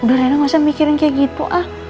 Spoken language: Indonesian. udah enak gak usah mikirin kayak gitu ah